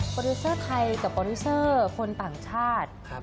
ดิวเซอร์ไทยกับโปรดิวเซอร์คนต่างชาติ